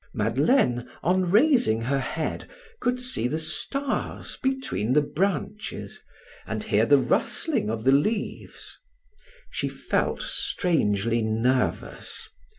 Madeleine, on raising her head, could see the stars between the branches and hear the rustling of the leaves. She felt strangely nervous.